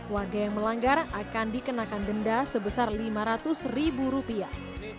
warga yang melanggar akan dikenakan denda sebesar lima ratus ribu rupiah